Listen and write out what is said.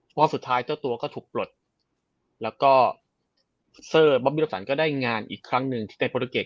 เพราะสุดท้ายเจ้าตัวก็ถูกปลดแล้วก็เซอร์บอบบี้รับสันก็ได้งานอีกครั้งหนึ่งที่ในโปรตูเกต